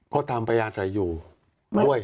ก็ตามพยายามจะอยู่ด้วย